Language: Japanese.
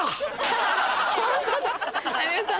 有吉さん